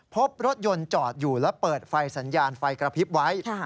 พบรถยนต์จอดอยู่และเปิดไฟสัญญาณไฟกระพริบไว้